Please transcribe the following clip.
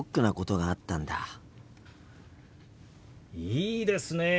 いいですねえ。